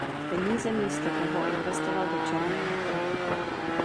Peníze místo toho investoval do černého trhu.